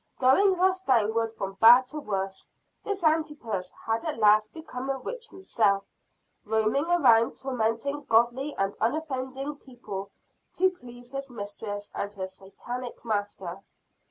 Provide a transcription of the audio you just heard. Going thus downward from bad to worse, this Antipas had at last become a witch himself; roaming around tormenting godly and unoffending people to please his mistress and her Satanic master.